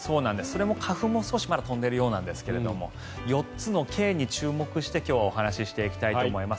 それも花粉も少しまだ飛んでいるようなんですが４つのＫに注目して今日はお話ししていきたいと思います。